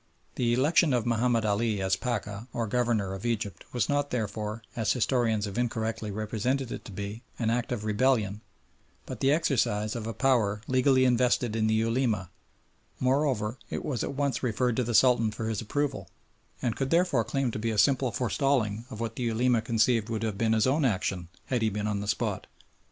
The election of Mahomed Ali as Pacha, or Governor, of Egypt was not therefore, as historians have incorrectly represented it to be, an act of rebellion, but the exercise of a power legally invested in the Ulema; moreover, it was at once referred to the Sultan for his approval, and could therefore claim to be a simple forestalling of what the Ulema conceived would have been his own action had he been on the spot.